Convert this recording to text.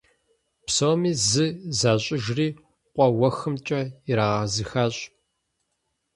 Псоми зы защIыжри къуэ уэхымкIэ ирагъэзыхащ.